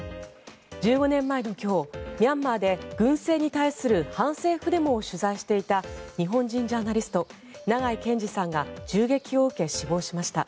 １５年前の今日ミャンマーで軍政に対する反政府デモを取材していた日本人ジャーナリスト長井健司さんが銃撃を受け、死亡しました。